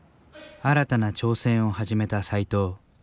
新たな挑戦を始めた斎藤。